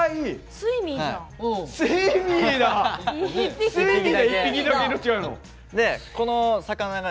スイミーじゃん！